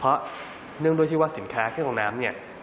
เพราะเนื่องด้วยที่ว่าสินค้าเครื่องลงน้ำเนี่ย